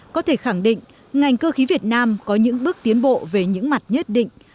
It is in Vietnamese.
có thể khẳng định ngành cơ khí việt nam có những bước tiến bộ về những mặt nhất định